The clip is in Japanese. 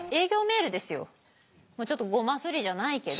ちょっとゴマスリじゃないけど。